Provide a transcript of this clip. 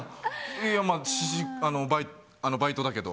いやいや、バイトだけど。